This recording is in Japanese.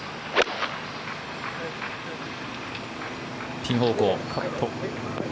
ピン方向。